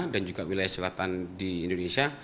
dan juga wilayah selatan di indonesia